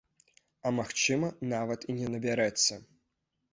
А магчыма, нават і не набярэцца.